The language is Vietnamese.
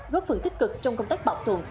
góp phần tích cực trong công tác bảo tồn